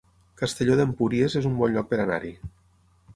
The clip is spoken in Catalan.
Castelló d'Empúries es un bon lloc per anar-hi